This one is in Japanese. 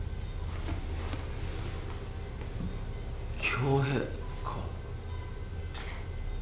恭平か？